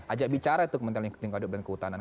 ajak bicara itu kementerian lingkungan hidup dan kehutanan